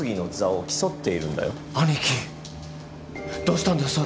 どうしたんだよ！？